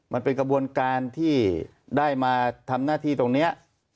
มันเป็นกระบวนการที่ได้มาทำหน้าที่ตรงนี้